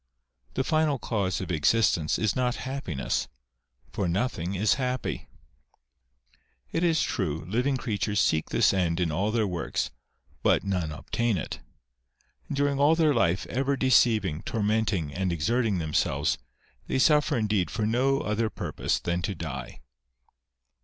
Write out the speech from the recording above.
The final cause of existence is not happiness, for nothing is happy. It is true, living creatures seek this end in all their works, but none obtain it ; and during all their life, ever deceiving, tormenting, and exerting themselves, they suffer indeed for no other purpose than to die.